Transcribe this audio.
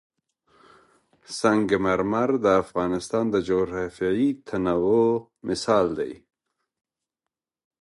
سنگ مرمر د افغانستان د جغرافیوي تنوع مثال دی.